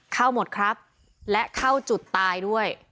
เข้าหมดครับและเข้าจุดตายด้วย